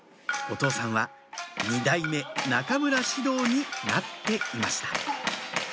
お父さんは二代目中村獅童になっていました